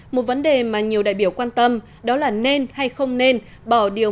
một vấn đề mà nhiều đại biểu quan tâm đó là nên hay không nên bỏ điều